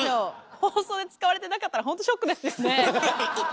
放送で使われてなかったらほんとショックですよね。